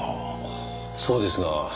そうですが。